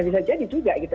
bisa jadi juga gitu